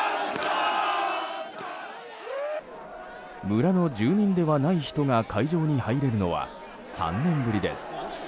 村の住民ではない人が会場に入れるのは３年ぶりです。